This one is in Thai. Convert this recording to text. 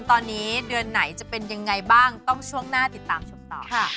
ตอนนี้เดือนไหนจะเป็นยังไงบ้างต้องช่วงหน้าติดตามชมต่อค่ะ